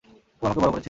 ও আমাকে বড় করেছে।